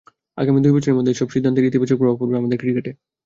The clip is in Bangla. আগামী দুই বছরের মধ্যে এসব সিদ্ধান্তের ইতিবাচক প্রভাব পড়বে আমাদের ক্রিকেটে।